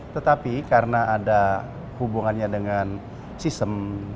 tetapi karena ada hubungannya dengan sistem